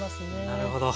なるほど。